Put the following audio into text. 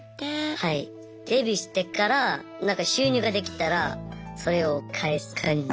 デビューしてから収入ができたらそれを返す感じです。